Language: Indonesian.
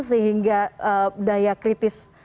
sehingga daya kritis